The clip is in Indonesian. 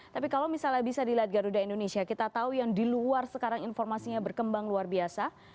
tapi kalau misalnya bisa dilihat garuda indonesia kita tahu yang di luar sekarang informasinya berkembang luar biasa